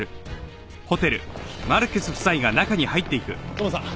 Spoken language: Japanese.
土門さん。